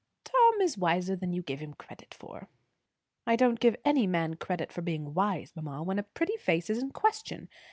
"Tom is wiser than you give him credit for." "I don't give any man credit for being wise, mamma, when a pretty face is in question.